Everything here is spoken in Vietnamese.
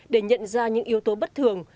để nhận ra những yếu tố bất thường